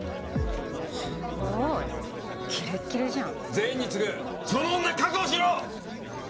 すごいキレッキレじゃん全員に告ぐその女確保しろ！